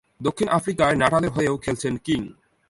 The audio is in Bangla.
দক্ষিণ আফ্রিকায় নাটালের হয়েও খেলেছেন কিং।